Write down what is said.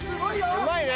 うまいね。